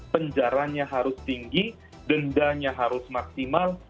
penjaranya harus tinggi dendanya harus maksimal